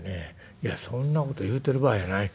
「いやそんなこと言うてる場合やない。